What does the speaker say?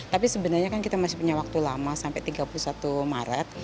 tapi sebenarnya kan kita masih punya waktu lama sampai tiga puluh satu maret